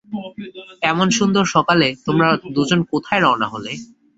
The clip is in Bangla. এমন সুন্দর সকালে তোমরা দুজন কোথায় রওনা হলে?